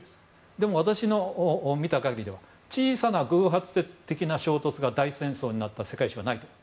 でも私の見た限りでは小さな偶発的な衝突が大戦争になった世界史はない。